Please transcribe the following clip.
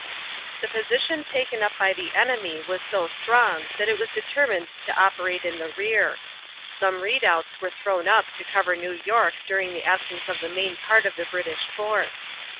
The position taken up by the enemy was so strong that it was determined to operate in the rear. Some redoubts were thrown up to cover New York during the absence of the main part of the British force.